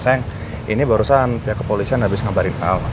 sayang ini barusan pihak kepolisian habis ngabarin pak al